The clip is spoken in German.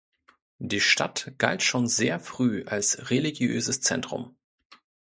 Die Stadt galt schon sehr früh als religiöses Zentrum.